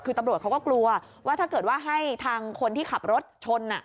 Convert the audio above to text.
คือตำรวจเขาก็กลัวว่าถ้าเกิดว่าให้ทางคนที่ขับรถชน